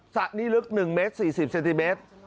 สระนี้ลึก๑เมตร๔๐เซนติเมตร